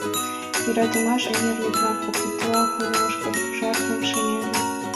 Йӧратымаш эҥер вӱдна куп вӱдла пунышкыш, ужаргыш, шемеме…